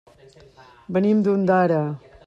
Venim d'Ondara.